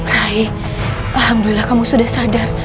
raih alhamdulillah kamu sudah sadar